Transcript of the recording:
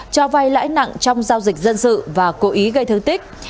cho vay lãi nặng trong giao dịch dân sự và cố ý gây thương tích